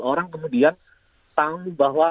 orang kemudian tahu bahwa